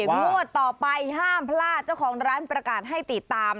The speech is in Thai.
งวดต่อไปห้ามพลาดเจ้าของร้านประกาศให้ติดตาม